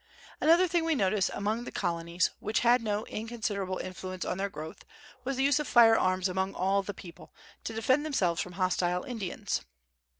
Another thing we notice among the Colonies, which had no inconsiderable influence on their growth, was the use of fire arms among all the people, to defend themselves from hostile Indians.